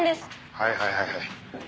はいはいはいはい。